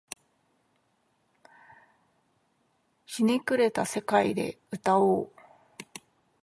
捻れた世界で歌おう